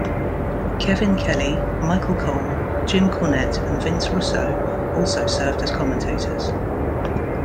Kevin Kelly, Michael Cole, Jim Cornette and Vince Russo also served as commentators.